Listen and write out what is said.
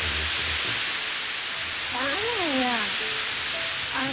しゃあないやん。